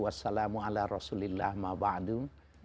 wassalamualaikum warahmatullahi wabarakatuh